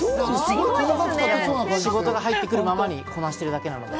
仕事が入ってくるままに、こなしてるだけなので。